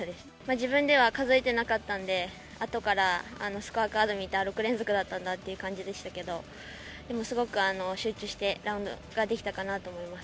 自分では数えてなかったんで、あとからスコアカード見て、ああ、６連続だったんだって感じでしたけど、でもすごく集中してラウンドができたかなと思います。